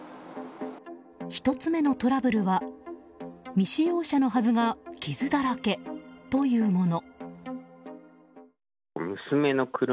１つ目のトラブルは未使用車のはずが傷だらけというもの。